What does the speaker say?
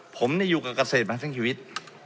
ผมเนี่ยอยู่กับเกษตรมาทั้งชีวิต